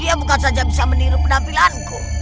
dia bukan saja bisa meniru penampilanku